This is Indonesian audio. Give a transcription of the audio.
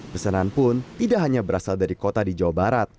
pesanan pun tidak hanya berasal dari kota di jawa barat